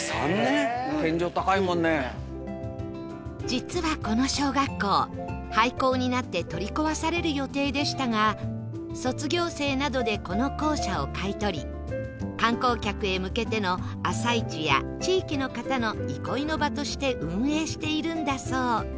実はこの小学校廃校になって取り壊される予定でしたが卒業生などでこの校舎を買い取り観光客へ向けての朝市や地域の方の憩いの場として運営しているんだそう